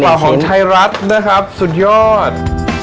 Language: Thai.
กระเป๋าของชัยรัฐนะครับสุดยอด